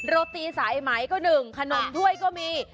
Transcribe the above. โรตีสายไหมก็หนึ่งขนมถ้วยก็มี